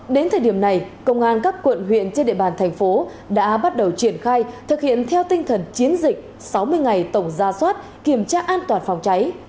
đến thời điểm này công an các quận huyện trên địa bàn thành phố đã bắt đầu triển khai thực hiện theo tinh thần chiến dịch sáu mươi ngày tổng ra soát kiểm tra an toàn phòng cháy